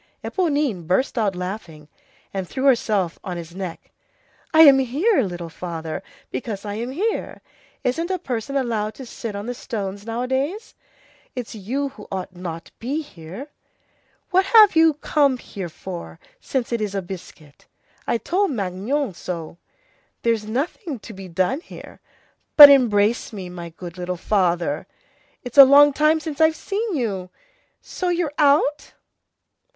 Éponine burst out laughing, and threw herself on his neck. "I am here, little father, because I am here. Isn't a person allowed to sit on the stones nowadays? It's you who ought not to be here. What have you come here for, since it's a biscuit? I told Magnon so. There's nothing to be done here. But embrace me, my good little father! It's a long time since I've seen you! So you're out?"